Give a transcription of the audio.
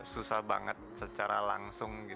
susah banget secara langsung